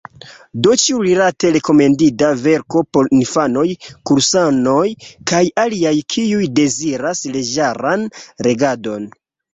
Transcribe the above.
Do ĉiurilate rekomendinda verko por infanoj, kursanoj, kaj aliaj, kiuj deziras leĝeran legadon.